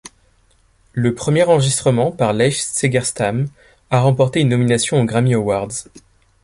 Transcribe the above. Le premier enregistrement par Leif Segerstam a remporté une nomination aux Grammy Awards.